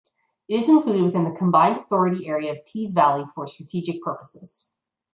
It is included within the combined authority area of Tees Valley for strategic purposes.